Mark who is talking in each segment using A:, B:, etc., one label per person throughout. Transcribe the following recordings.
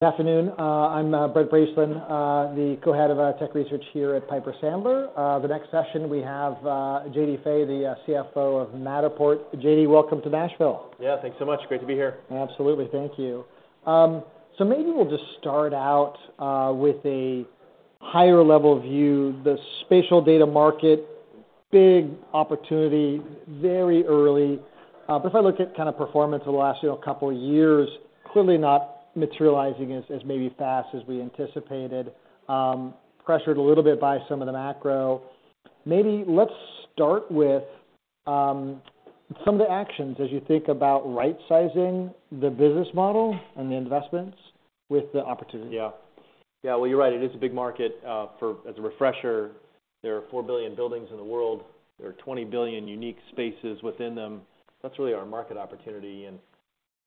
A: Good afternoon. I'm Brent Bracelin, the Co-Head of our Tech Research here at Piper Sandler. The next session, we have J. D. Fay, the CFO of Matterport. J. D., welcome to Nashville.
B: Yeah, thanks so much. Great to be here.
A: Absolutely. Thank you. So maybe we'll just start out with a higher level view, the Spatial Data Market, big opportunity, very early. But if I look at kind of performance over the last, you know, couple of years, clearly not materializing as maybe fast as we anticipated, pressured a little bit by some of the macro. Maybe let's start with some of the actions as you think about right-sizing the business model and the investments with the opportunity.
B: Yeah. Yeah, well, you're right, it is a big market. As a refresher, there are 4 billion buildings in the world. There are 20 billion unique spaces within them. That's really our market opportunity. And,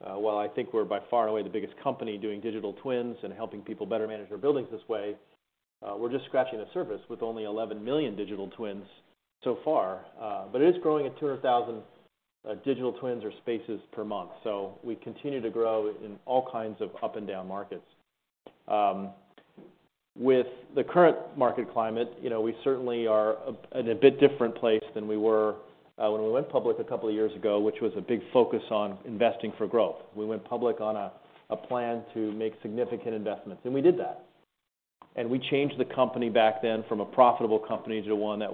B: while I think we're by far and away the biggest company doing Digital Twins and helping people better manage their buildings this way, we're just scratching the surface with only 11 million Digital Twins so far. But it is growing at 200,000 Digital Twins & Spaces per month, so we continue to grow in all kinds of up and down markets. With the current market climate, you know, we certainly are at a bit different place than we were, when we went public a couple of years ago, which was a big focus on investing for growth. We went public on a plan to make significant investments, and we did that. And we changed the company back then from a profitable company to one that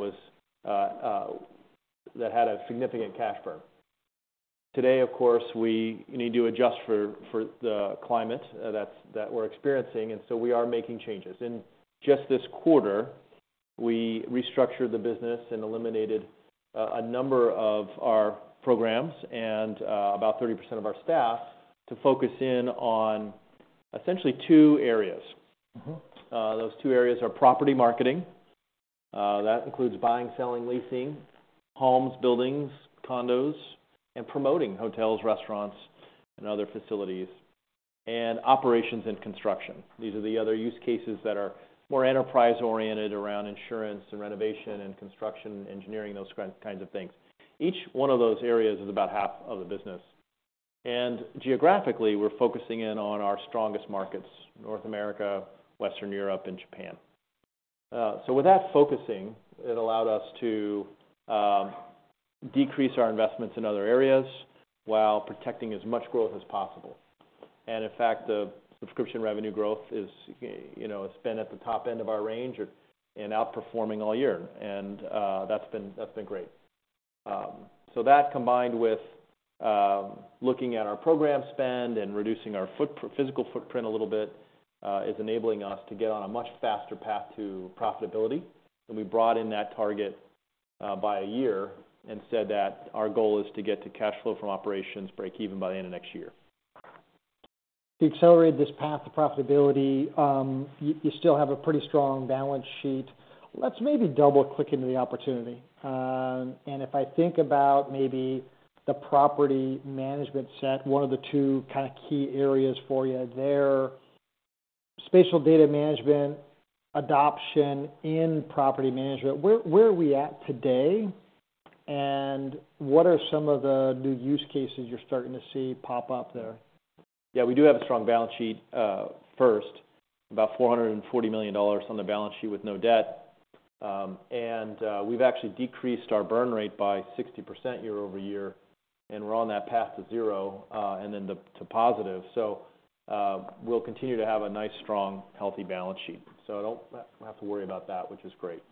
B: had a significant cash burn. Today, of course, we need to adjust for the climate that we're experiencing, and so we are making changes. In just this quarter, we restructured the business and eliminated a number of our programs and about 30% of our staff to focus in on essentially two areas. Those two areas are property marketing, that includes buying, selling, leasing, homes, buildings, condos, and promoting hotels, restaurants, and other facilities, and operations and construction. These are the other use cases that are more enterprise-oriented around insurance and renovation and construction, engineering, those kinds of things. Each one of those areas is about half of the business. And geographically, we're focusing in on our strongest markets, North America, Western Europe, and Japan. So with that focusing, it allowed us to decrease our investments in other areas while protecting as much growth as possible. And in fact, the subscription revenue growth is, you know, it's been at the top end of our range and outperforming all year, and that's been, that's been great. So that combined with looking at our program spend and reducing our physical footprint a little bit is enabling us to get on a much faster path to profitability. And we brought in that target by a year and said that our goal is to get to cash flow from operations break even by the end of next year.
A: To accelerate this path to profitability, you, you still have a pretty strong balance sheet. Let's maybe double-click into the opportunity. If I think about maybe the property management set, one of the two kind of key areas for you there, spatial data management, adoption in property management, where, where are we at today? And what are some of the new use cases you're starting to see pop up there?
B: Yeah, we do have a strong balance sheet, first, about $440 million on the balance sheet with no debt. And, we've actually decreased our burn rate by 60% year-over-year, and we're on that path to zero, and then to positive. So, we'll continue to have a nice, strong, healthy balance sheet. So I don't have to worry about that, which is great.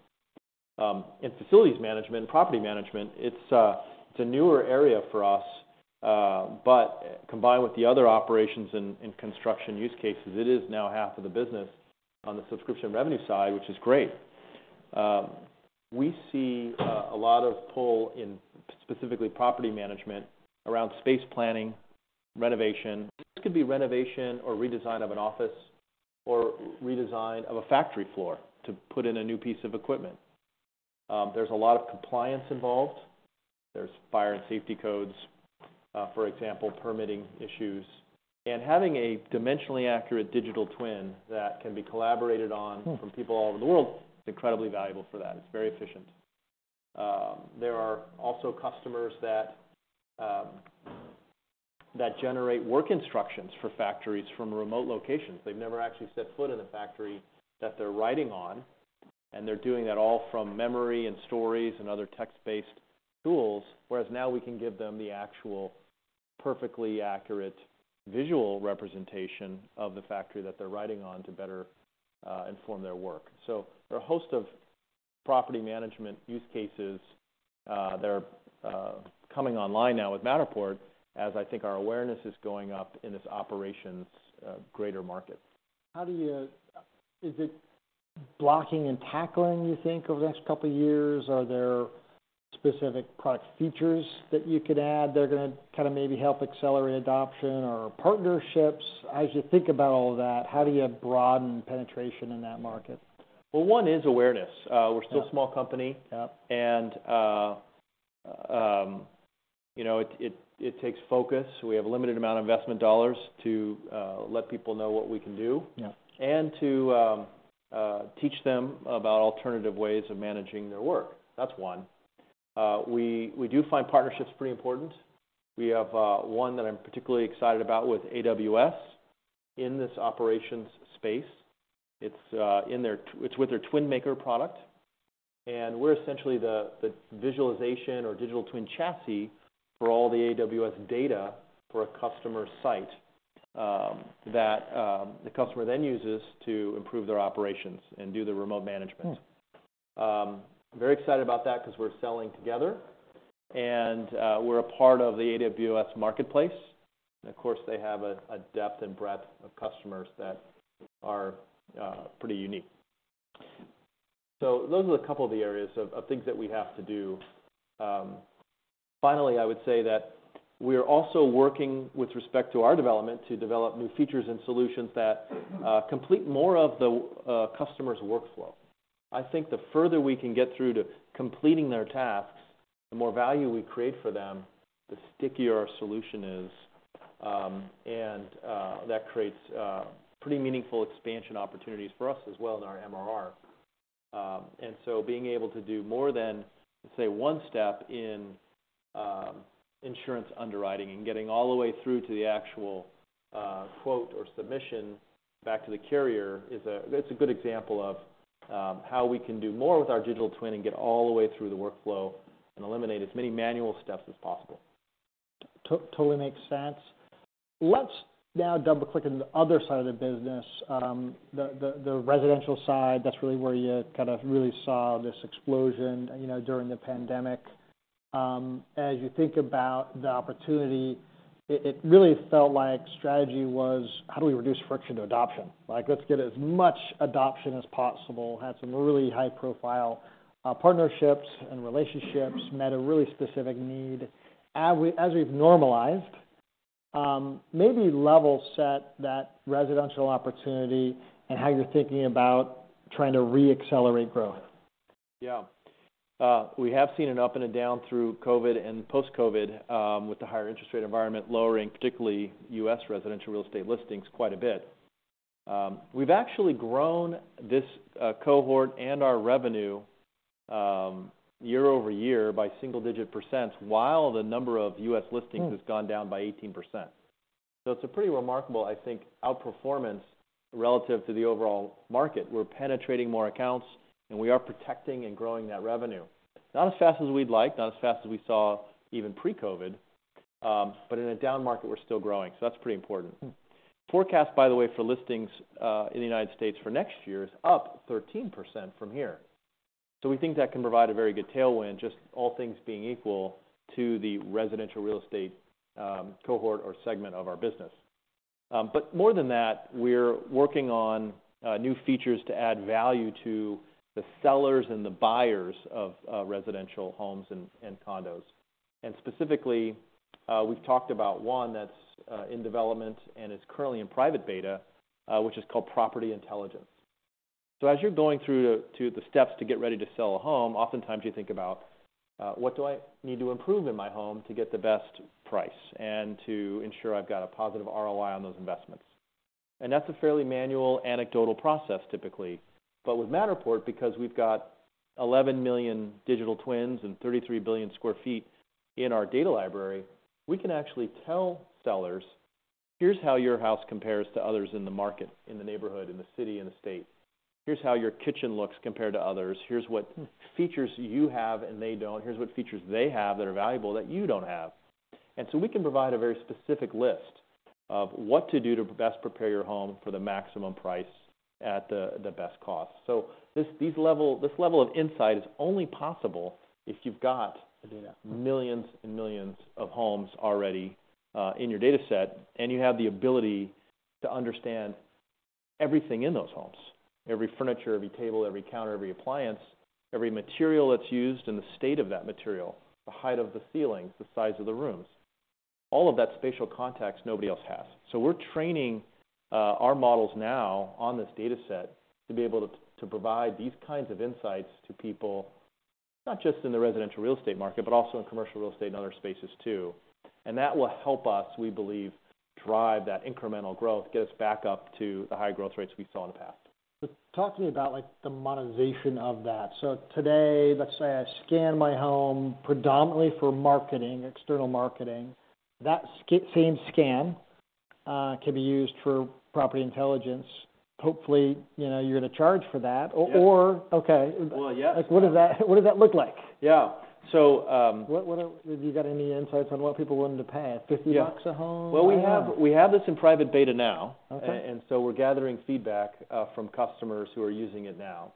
B: In facilities management, property management, it's a newer area for us, but combined with the other operations and construction use cases, it is now half of the business on the Subscription Revenue side, which is great. We see a lot of pull in specifically property management around space planning, renovation. This could be renovation or redesign of an office, or redesign of a factory floor to put in a new piece of equipment. There's a lot of compliance involved. There's fire and safety codes, for example, permitting issues. Having a dimensionally accurate Digital Twin that can be collaborated on from people all over the world, is incredibly valuable for that. It's very efficient. There are also customers that generate work instructions for factories from remote locations. They've never actually set foot in the factory that they're writing on, and they're doing that all from memory and stories and other text-based tools, whereas now we can give them the actual, perfectly accurate visual representation of the factory that they're writing on to better inform their work. So there are a host of property management use cases that are coming online now with Matterport, as I think our awareness is going up in this operations greater market.
A: How do you, Is it blocking and tackling, you think, over the next couple of years? Are there specific product features that you could add that are gonna kind of maybe help accelerate Adoption or Partnerships? As you think about all that, how do you broaden penetration in that market?
B: Well, one is awareness.
A: Yeah
B: We're still a small company.
A: Yeah.
B: You know, it takes focus. We have a limited amount of investment dollars to let people know what we can do-
A: Yeah
B: And to teach them about alternative ways of managing their work. That's one. We do find partnerships pretty important. We have one that I'm particularly excited about with AWS in this operations space. It's with their TwinMaker product, and we're essentially the visualization or digital twin chassis for all the AWS data for a customer site, that the customer then uses to improve their operations and do the remote management. Very excited about that 'cause we're selling together, and we're a part of the AWS Marketplace, and of course, they have a depth and breadth of customers that are pretty unique. So those are a couple of the areas of things that we have to do. Finally, I would say that we are also working with respect to our development, to develop new features and solutions that complete more of the customer's workflow. I think the further we can get through to completing their tasks, the more value we create for them, the stickier our solution is. And that creates pretty meaningful expansion opportunities for us as well in our MRR. And so being able to do more than, say, one step in insurance underwriting and getting all the way through to the actual quote or submission back to the carrier is, that's a good example of how we can do more with our digital twin and get all the way through the workflow and eliminate as many manual steps as possible.
A: Totally makes sense. Let's now double-click on the other side of the business, the residential side. That's really where you kind of really saw this explosion, you know, during the pandemic. As you think about the opportunity, it really felt like strategy was: how do we reduce friction to adoption? Like, let's get as much adoption as possible, had some really high-profile partnerships and relationships, met a really specific need. As we've normalized, maybe level set that residential opportunity and how you're thinking about trying to re-accelerate growth.
B: Yeah. We have seen an up and a down through COVID and post-COVID, with the higher interest rate environment lowering, particularly U.S. residential real estate listings, quite a bit. We've actually grown this cohort and our revenue year-over-year by single-digit %, while the number of U.S. listings has gone down by 18%. So it's a pretty remarkable, I think, outperformance relative to the overall market. We're penetrating more accounts, and we are protecting and growing that revenue. Not as fast as we'd like, not as fast as we saw even pre-COVID, but in a down market, we're still growing, so that's pretty important. Forecast, by the way, for listings in the United States for next year is up 13% from here. So we think that can provide a very good tailwind, just all things being equal, to the residential real estate cohort or segment of our business. But more than that, we're working on new features to add value to the sellers and the buyers of residential homes and condos. And specifically, we've talked about one that's in development, and it's currently in private beta, which is called Property Intelligence. So as you're going through the steps to get ready to sell a home, oftentimes you think about, "What do I need to improve in my home to get the best price, and to ensure I've got a positive ROI on those investments?" And that's a fairly manual, anecdotal process, typically. But with Matterport, because we've got 11 million Digital Twins and 33 billion sq ft in our Data Library, we can actually tell sellers, "Here's how your house compares to others in the market, in the neighborhood, in the city, in the state. Here's how your kitchen looks compared to others. Here's what features you have and they don't. Here's what features they have that are valuable that you don't have. And so we can provide a very specific list of what to do to best prepare your home for the maximum price at the best cost. So this level of insight is only possible if you've got-
A: The data
B: Millions and millions of homes already in your data set, and you have the ability to understand everything in those homes, every furniture, every table, every counter, every appliance, every material that's used and the state of that material, the height of the ceilings, the size of the rooms. All of that spatial context, nobody else has. So we're training our models now on this data set to be able to provide these kinds of insights to people, not just in the residential real estate market, but also in commercial real estate and other spaces, too. And that will help us, we believe, drive that incremental growth, get us back up to the high growth rates we saw in the past.
A: So talk to me about, like, the monetization of that. So today, let's say I scan my home predominantly for marketing, external marketing. That same scan can be used for Property Intelligence. Hopefully, you know, you're gonna charge for that.
B: Yeah.
A: Or. Okay.
B: Well, yeah.
A: Like, what does that, what does that look like?
B: Yeah. So,
A: What, have you got any insights on what people are willing to pay, $50-
B: Yeah
A: A home? I don't know.
B: Well, we have, we have this in private beta now.
A: Okay.
B: So we're gathering feedback from customers who are using it now.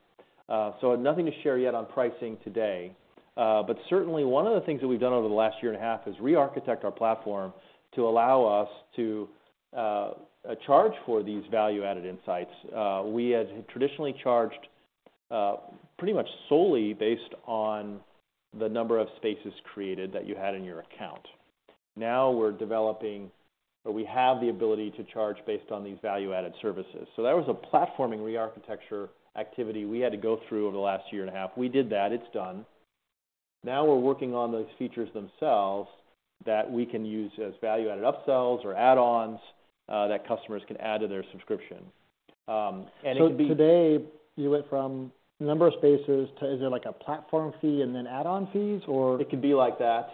B: So nothing to share yet on pricing today. But certainly one of the things that we've done over the last year and a half is re-architect our platform to allow us to charge for these value-added insights. We had traditionally charged pretty much solely based on the number of spaces created that you had in your account. Now, we're developing... or we have the ability to charge based on these value-added services. So that was a platforming re-architecture activity we had to go through over the last year and a half. We did that. It's done. Now, we're working on those features themselves that we can use as value-added upsells or add-ons that customers can add to their subscription.
A: And so today, you went from number of spaces to, is it like a platform fee and then add-on fees, or?
B: It could be like that,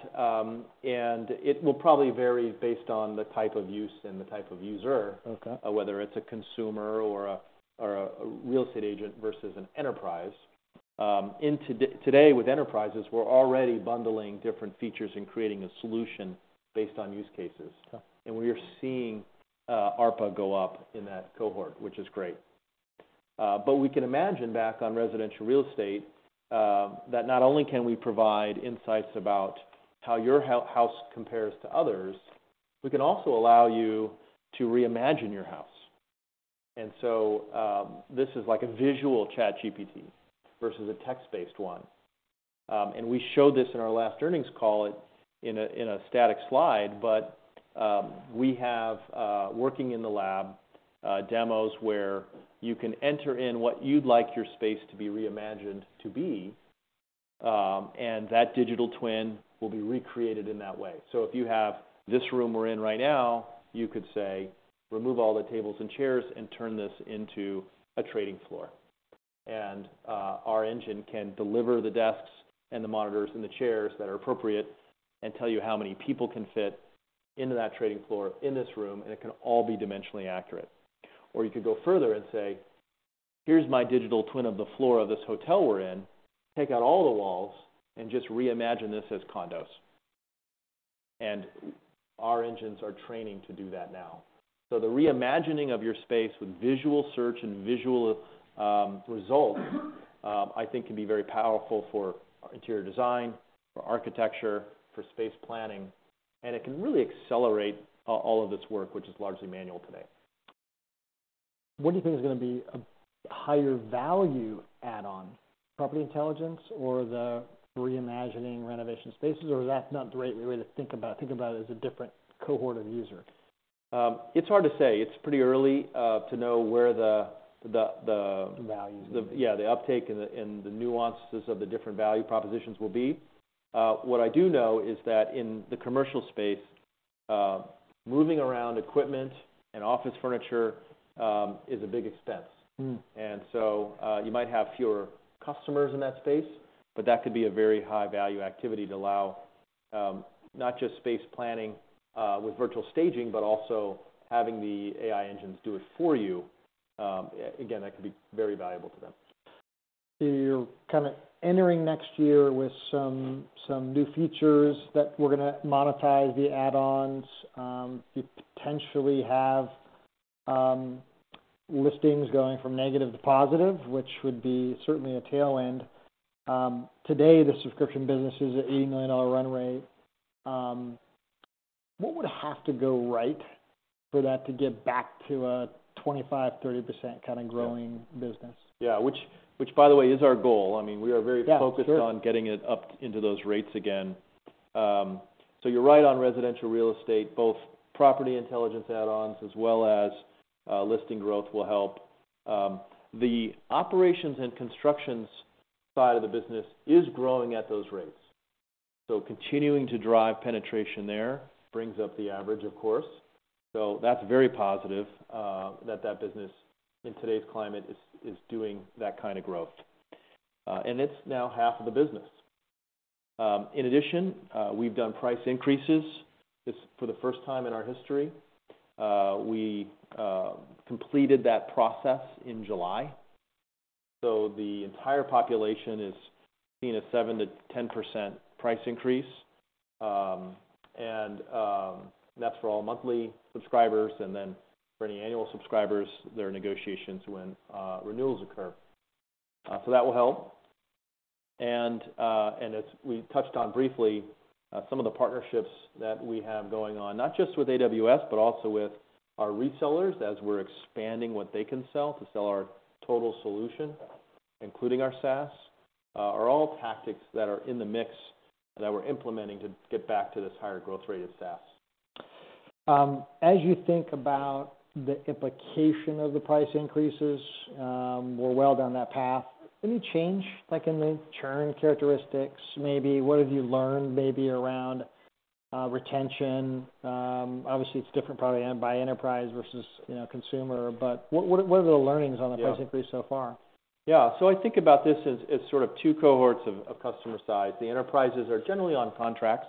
B: and it will probably vary based on the type of use and the type of user-
A: Okay.
B: Whether it's a consumer or a real estate agent versus an enterprise. In today, with enterprises, we're already bundling different features and creating a solution based on use cases.
A: Okay.
B: And we are seeing ARPA go up in that cohort, which is great. But we can imagine back on residential real estate that not only can we provide insights about how your house compares to others, we can also allow you to reimagine your house. And so this is like a visual ChatGPT versus a text-based one. And we showed this in our last earnings call, in a static slide, but we have working in the lab demos where you can enter in what you'd like your space to be reimagined to be, and that Digital Twin will be recreated in that way. So if you have this room we're in right now, you could say, "Remove all the tables and chairs and turn this into a trading floor." And our engine can deliver the desks and the monitors and the chairs that are appropriate, and tell you how many people can fit into that trading floor in this room, and it can all be dimensionally accurate. Or you could go further and say, "Here's my digital twin of the floor of this hotel we're in. Take out all the walls and just reimagine this as condos." And our engines are training to do that now. So the reimagining of your space with visual search and visual results, I think can be very powerful for interior design, for architecture, for space planning, and it can really accelerate all of this work, which is largely manual today.
A: What do you think is gonna be a higher value add-on: Property Intelligence or the reimagining renovation spaces, or is that not the right way to think about it as a different cohort of user?
B: It's hard to say. It's pretty early to know where the-
A: The value-
B: Yeah, the uptake and the nuances of the different value propositions will be. What I do know is that in the commercial space, moving around equipment and office furniture is a big expense. And so, you might have fewer customers in that space, but that could be a very high-value activity to allow, not just space planning, with virtual staging, but also having the AI engines do it for you. Again, that could be very valuable to them.
A: So you're kind of entering next year with some new features that we're gonna monetize the add-ons. You potentially have listings going from negative to positive, which would be certainly a tailwind. Today, the subscription business is at $80 million run rate. What would have to go right for that to get back to a 25%-30% kind of growing business?
B: Yeah, by the way, is our goal. I mean, we are very-
A: Yeah, sure
B: Focused on getting it up into those rates again. So you're right on residential real estate, both property intelligence add-ons as well as, listing growth will help. The operations and constructions side of the business is growing at those rates. So continuing to drive penetration there brings up the average, of course. So that's very positive, that that business, in today's climate, is doing that kind of growth. And it's now half of the business. In addition, we've done price increases. This, for the first time in our history, we completed that process in July. So the entire population is seeing a 7%-10% price increase. And, that's for all monthly subscribers, and then for any annual subscribers, there are negotiations when, renewals occur. So that will help. As we touched on briefly, some of the partnerships that we have going on, not just with AWS, but also with our resellers, as we're expanding what they can sell to sell our total solution, including our SaaS, are all tactics that are in the mix that we're implementing to get back to this higher growth rate of SaaS.
A: As you think about the implication of the price increases, we're well down that path, any change, like in the churn characteristics, maybe? What have you learned maybe around retention? Obviously, it's different probably by enterprise versus, you know, consumer, but what, what, what are the learnings on the-
B: Yeah
A: Price increase so far?
B: Yeah, so I think about this as, as sort of two cohorts of, of customer size. The enterprises are generally on contracts,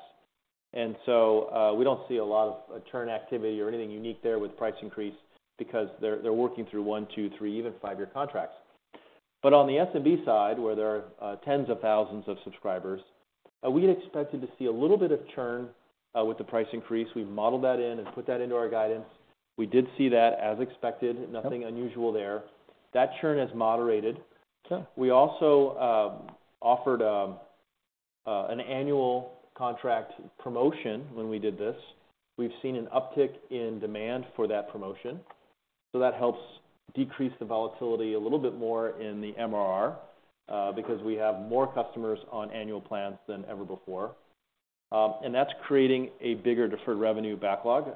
B: and so, we don't see a lot of, churn activity or anything unique there with price increase because they're, they're working through one, two, three, even five-year contracts. But on the SMB side, where there are, tens of thousands of subscribers, we expected to see a little bit of churn, with the price increase. We've modeled that in and put that into our guidance. We did see that as expected.
A: Yep.
B: Nothing unusual there. That churn has moderated.
A: Okay.
B: We also offered an annual contract promotion when we did this. We've seen an uptick in demand for that promotion, so that helps decrease the volatility a little bit more in the MRR, because we have more customers on annual plans than ever before. And that's creating a bigger deferred revenue backlog.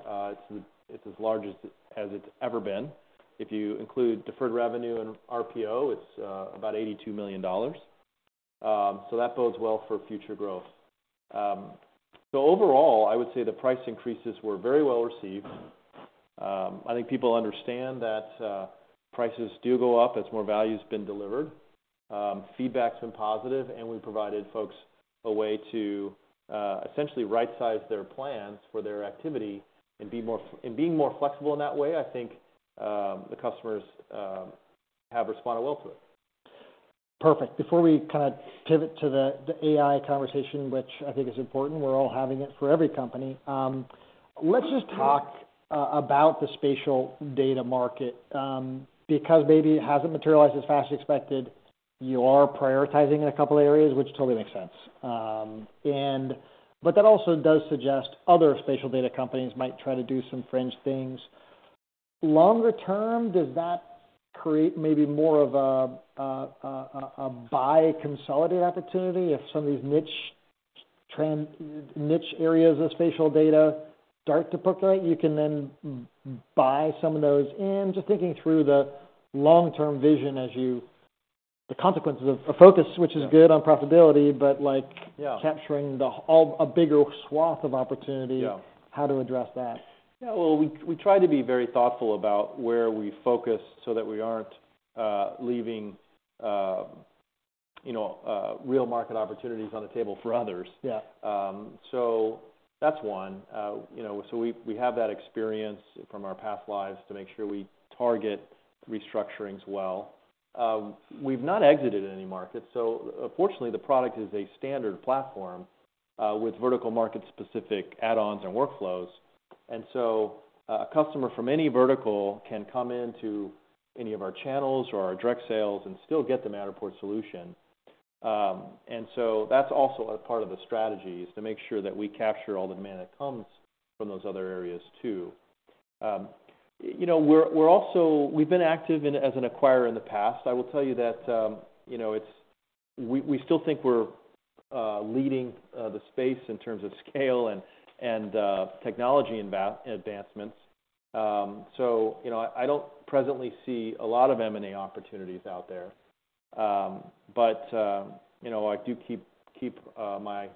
B: It's as large as it's ever been. If you include deferred revenue and RPO, it's about $82 million. So that bodes well for future growth. So overall, I would say the price increases were very well received. I think people understand that, prices do go up as more value's been delivered. Feedback's been positive, and we've provided folks a way to essentially right-size their plans for their activity and be more—in being more flexible in that way, I think, the customers have responded well to it.
A: Perfect. Before we kind of pivot to the AI conversation, which I think is important, we're all having it for every company, let's just talk about the Spatial Data Market. Because maybe it hasn't materialized as fast as expected, you are prioritizing in a couple of areas, which totally makes sense. And but that also does suggest other spatial data companies might try to do some fringe things. Longer term, does that create maybe more of a buy consolidate opportunity if some of these niche areas of spatial data start to percolate, you can then buy some of those? And just thinking through the long-term vision as you... The consequences of a focus, which is good on profitability, but like-
B: Yeah
A: Capturing a bigger swath of opportunity.
B: Yeah.
A: How to address that?
B: Yeah, well, we try to be very thoughtful about where we focus so that we aren't leaving, you know, real market opportunities on the table for others.
A: Yeah.
B: So that's one. You know, so we have that experience from our past lives to make sure we target restructurings well. We've not exited any markets, so fortunately, the product is a standard platform with vertical market-specific add-ons and workflows. And so a customer from any vertical can come into any of our channels or our direct sales and still get the Matterport solution. And so that's also a part of the strategy, is to make sure that we capture all the demand that comes from those other areas, too. You know, we're also—we've been active as an acquirer in the past. I will tell you that, you know, it's we still think we're leading the space in terms of scale and technology advancements. So, you know, I don't presently see a lot of M&A opportunities out there. But, you know, I do keep my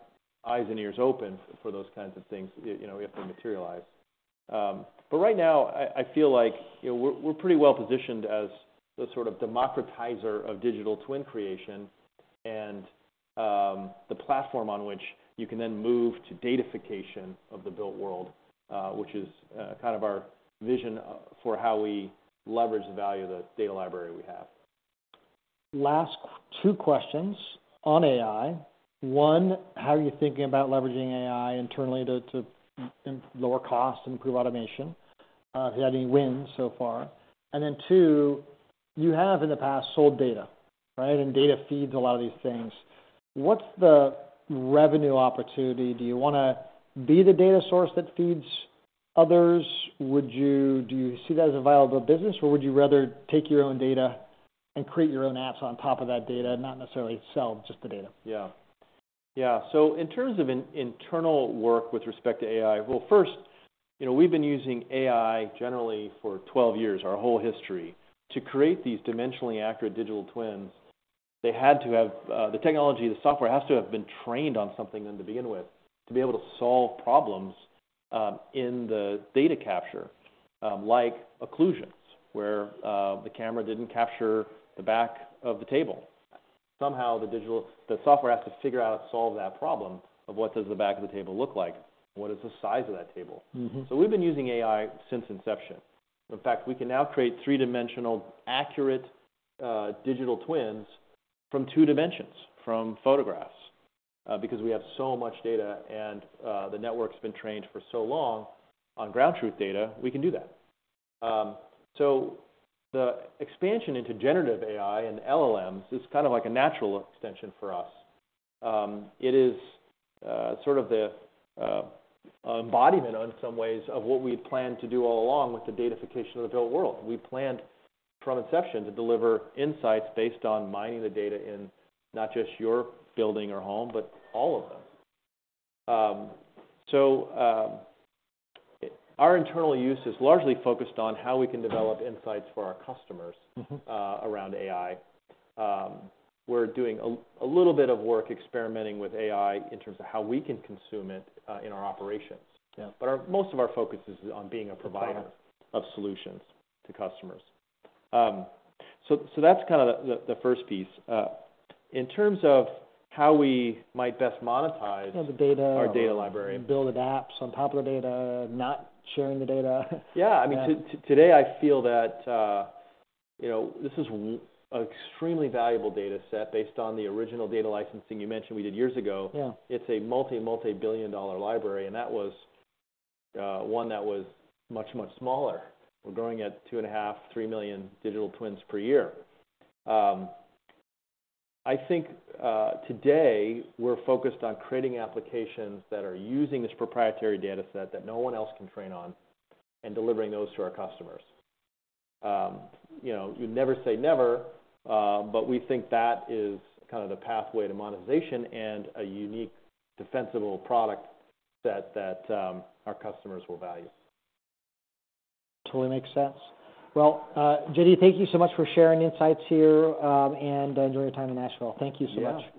B: eyes and ears open for those kinds of things, you know, if they materialize. But right now, I feel like, you know, we're pretty well positioned as the sort of Democratizer of Digital Twin Creation and the platform on which you can then move to datafication of the built world, which is kind of our vision for how we leverage the value of the Data Library we have.
A: Last two questions on AI. One, how are you thinking about leveraging AI internally to lower cost and improve automation? Have you had any wins so far? And then two, you have in the past, sold data, right? And data feeds a lot of these things. What's the revenue opportunity? Do you wanna be the data source that feeds others? Do you see that as a viable business, or would you rather take your own data and create your own apps on top of that data and not necessarily sell just the data?
B: Yeah. Yeah, so in terms of internal work with respect to AI, well, first, you know, we've been using AI generally for 12 years, our whole history, to create these dimensionally accurate Digital Twins. They had to have the technology, the software has to have been trained on something then to begin with, to be able to solve problems in the data capture, like occlusions, where the camera didn't capture the back of the table. Somehow the digital, the software has to figure out how to solve that problem of what does the back of the table look like, and what is the size of that table? So we've been using AI since inception. In fact, we can now create three-dimensional accurate Digital Twins from two dimensions, from photographs, because we have so much data and the network's been trained for so long on ground truth data, we can do that. So the expansion into generative AI and LLMs is kind of like a natural extension for us. It is sort of the embodiment in some ways of what we planned to do all along with the datafication of the built world. We planned from inception to deliver insights based on mining the data in not just your building or home, but all of them. So our internal use is largely focused on how we can develop insights for our customers around AI. We're doing a little bit of work experimenting with AI in terms of how we can consume it in our operations.
A: Yeah.
B: But most of our focus is on being a provider-
A: Got it
B: Of solutions to customers. So that's kind of the first piece. In terms of how we might best monetize-
A: Yeah, the data
B: our Data Library.
A: Build apps on top of the data, not sharing the data.
B: Yeah.
A: Yeah.
B: I mean, today, I feel that, you know, this is extremely valuable data set based on the original data licensing you mentioned we did years ago.
A: Yeah.
B: It's a multi, multi-billion dollar library, and that was one that was much, much smaller. We're growing at 2.5-3 million Digital Twins per year. I think today, we're focused on creating applications that are using this proprietary data set that no one else can train on and delivering those to our customers. You know, you never say never, but we think that is kind of the pathway to monetization and a unique, defensible product set that our customers will value.
A: Totally makes sense. Well, J.D., thank you so much for sharing insights here, and enjoy your time in Nashville. Thank you so much.